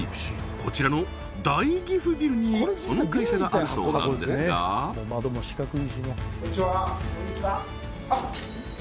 こちらの大岐阜ビルにその会社があるそうなんですがあっ